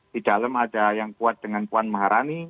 di dalam ada yang kuat dengan puan maharani